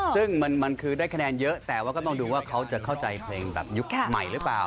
ซึ่งมันคือได้คะแนนเยอะแต่ว่าก็ต้องดูว่าเขาจะเข้าใจเพลงแบบยุคใหม่หรือเปล่า